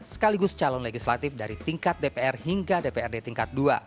sekaligus calon legislatif dari tingkat dpr hingga dprd tingkat dua